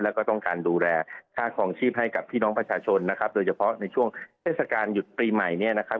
แล้วก็ต้องการดูแลค่าคลองชีพให้กับพี่น้องประชาชนนะครับโดยเฉพาะในช่วงเทศกาลหยุดปีใหม่เนี่ยนะครับ